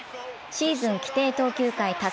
シーズン規定投球回達